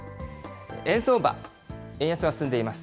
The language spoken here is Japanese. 円相場、円安が進んでいます。